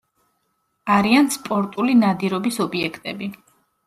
არიან სპორტული ნადირობის ობიექტები.